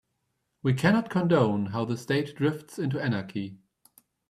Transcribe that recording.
We cannot condone how the state drifts into anarchy.